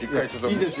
いいです。